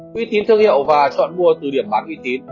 quý tín thương hiệu và chọn mua từ điểm bán quý tín